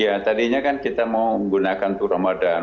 iya tadinya kan kita mau menggunakan itu ramadan